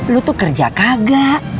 lu tuh kerja kagak